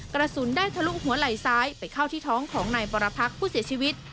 กระสุนได้ทะลุหัวไหล่ซ้ายไปเข้าที่ท้องของนายบรพักษ์ผู้เสียชีวิต